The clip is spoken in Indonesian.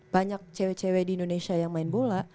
banyak cewek cewek di indonesia yang main bola